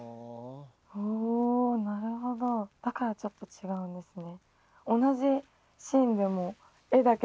ほうなるほどだからちょっと違うんですね